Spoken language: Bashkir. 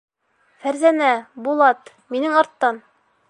Фәрзәнә, Булат, минең арттан!